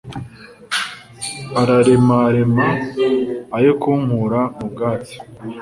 Araremarema ayo kunkura mu bwatsi